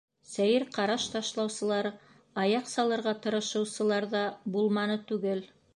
Сәйер ҡараш ташлаусылар, аяҡ салырға тырышыусылар ҙа булманы түгел.